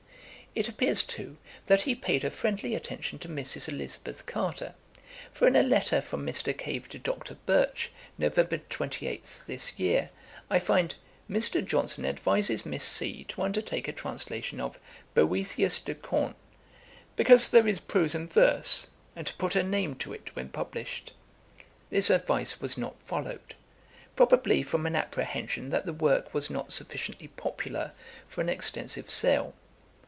It appears too, that he paid a friendly attention to Mrs. Elizabeth Carter; for in a letter from Mr. Cave to Dr. Birch, November 28, this year, I find 'Mr. Johnson advises Miss C. to undertake a translation of Boethius de Cons, because there is prose and verse, and to put her name to it when published.' This advice was not followed; probably from an apprehension that the work was not sufficiently popular for an extensive sale.